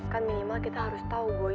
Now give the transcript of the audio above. kan minimal kita harus tau boy